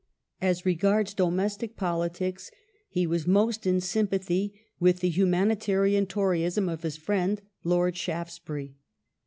As regards domestic politics he was most in sym pathy with the humanitarian Toryism of his friend, Lord Shaftes bury.